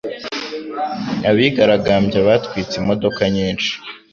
Abigaragambyaga batwitse imodoka nyinshi.